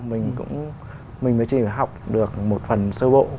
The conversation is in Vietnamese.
mình mới chỉ học được một phần sơ bộ